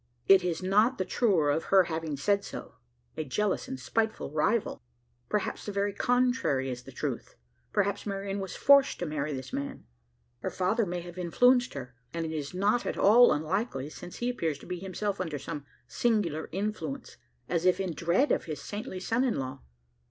It is not the truer of her having said so. A jealous and spiteful rival. Perhaps the very contrary is the truth? Perhaps Marian was forced to marry this, man? Her father may have influenced her: and it is not at all unlikely, since he appears to be himself under some singular influence as if in dread of his saintly son in law.